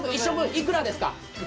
いくらですか？